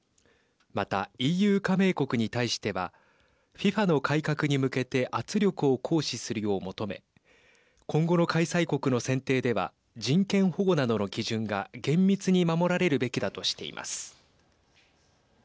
また、ＥＵ加盟国に対してはＦＩＦＡの改革に向けて圧力を行使するよう求め今後の開催国の選定では人権保護などの基準が厳密に守られるべきだとしています。